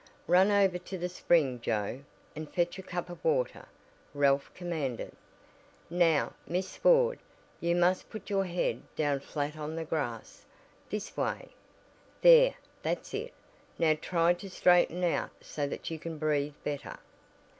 "Run over to the spring Joe, and fetch a cup of water," Ralph commanded. "Now, Miss Ford, you must put your head down flat on the grass this way. There, that's it. Now try to straighten out so that you can breathe better."